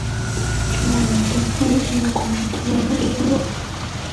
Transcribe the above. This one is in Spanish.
Finalmente, fue elegido como titular en la Liga Europa.